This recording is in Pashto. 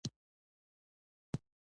د افغانستان تاریخ څو زره کلن دی؟